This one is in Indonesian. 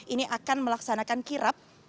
ini akan melaksanakan kirap